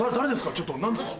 ちょっと何ですか？